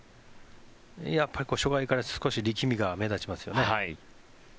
やっぱり初回から少し力みが目立ちますよね。